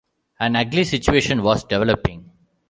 An ugly situation was developing.